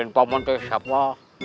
dan pak man itu siapa